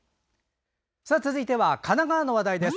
続いては神奈川の話題です。